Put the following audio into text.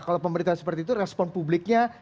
kalau pemerintahan seperti itu respon publiknya